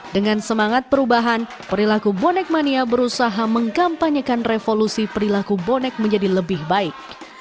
dengan semangat perubahan perilaku bonek mania berusaha mengkampanyekan revolusi perilaku bonek menjadi lebih baik